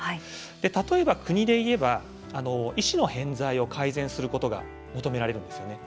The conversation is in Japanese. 例えば国で言えば医師の偏在を改善することが求められるんですよね。